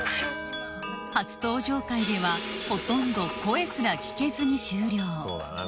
初登場回ではほとんど声すら聞けずに終了そうだな